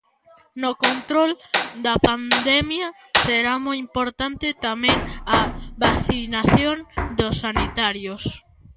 No control da pandemia será moi importante tamén a vacinación dos sanitarios.